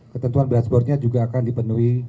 ketentuan dashboardnya juga akan dipenuhi